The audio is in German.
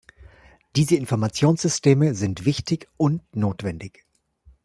Diese Informationssysteme sind wichtig und notwendig.